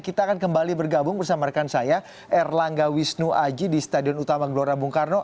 kita akan kembali bergabung bersama rekan saya erlangga wisnu aji di stadion utama gelora bung karno